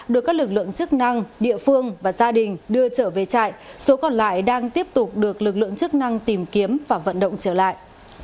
được các lực lượng chức năng địa phương và gia đình đưa trở về trại số còn lại đang tiếp tục được lực lượng chức năng tìm kiếm và vận động trở lại